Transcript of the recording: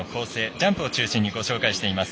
ジャンプを中心にご紹介します。